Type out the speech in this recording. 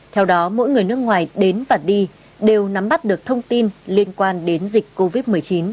theo đó mỗi người nước ngoài đến và đi đều nắm bắt được thông tin liên quan đến dịch covid một mươi chín